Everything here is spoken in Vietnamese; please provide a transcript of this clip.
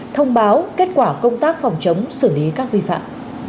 thông báo kết quả công tác phòng chống xử lý các vi phạm